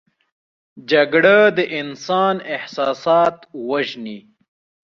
جګړه د انسان احساسات وژني